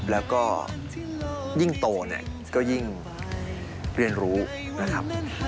แล้วก็ยิ่งโตเนี่ยก็ยิ่งเรียนรู้นะครับ